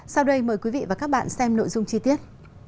sau đây mời quý vị và các bạn xem nội dung chi tiết